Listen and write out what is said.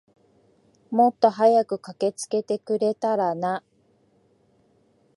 もっと早く駆けつけてくれたらな。